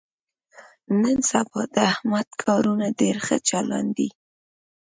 نن سبا د احمد کارونه ډېر ښه چالان دي.